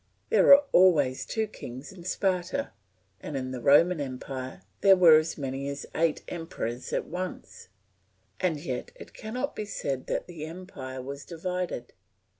There were always two kings in Sparta, and in the Roman empire there were as many as eight emperors at once, and yet it cannot be said that the empire was divided.